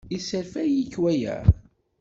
Yesserfay-ik waya?